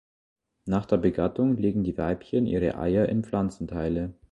Nach der Begattung legen die Weibchen ihre Eier in Pflanzenteile.